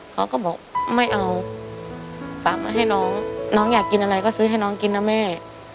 เขาก็บอกไม่เอาฝากมาให้น้องน้องอยากกินอะไรก็ซื้อให้น้องกินนะแม่